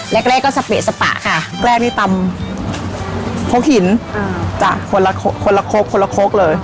แรกแรกก็สเปะสปะค่ะแรกนี่ตำคกหินจากคนละคนละโคกคนละโคกเลย